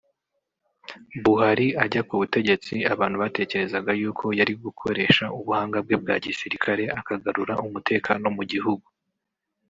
Buhari ajya ku Butegetsi abantu batekerezaga yuko yari gukoresha ubuhanga bwe bwa gisirikare akagarura umutekano mu gihugu